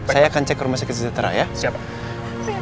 saya akan cek rumah sakit jejatera ya siapa